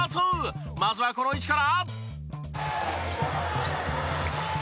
まずはこの位置から。